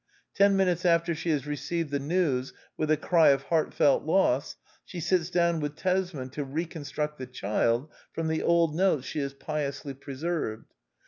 Ten minutes after she has received the news with a cry of heartfelt loss, she sits down with Tesman to reconstruct " the child " from the old notes she has piously pre served.